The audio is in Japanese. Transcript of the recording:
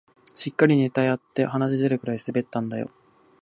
しっかりネタやって鼻血出るくらい滑ったんだよ